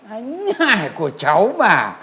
anh hải của cháu mà